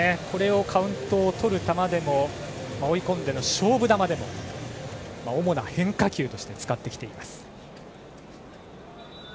カウントをとる球としても追い込んでの勝負球でも主な変化球として使ってきています。